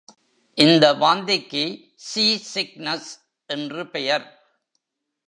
இந்த வாந்திக்கு sea sickness என்று பெயர்.